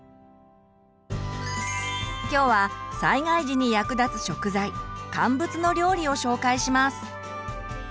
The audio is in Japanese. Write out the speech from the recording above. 今日は災害時に役立つ食材乾物の料理を紹介します。